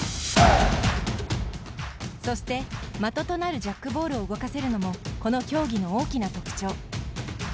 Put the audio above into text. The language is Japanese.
そして的となるジャックボールを動かせるのもこの競技の大きな特徴。